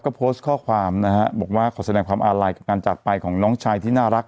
ก็โพสต์ข้อความนะฮะบอกว่าขอแสดงความอาลัยกับการจากไปของน้องชายที่น่ารัก